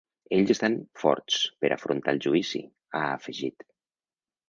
Ells estan forts per a afrontar el judici, ha afegit.